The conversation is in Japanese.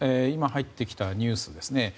今入ってきたニュースですね。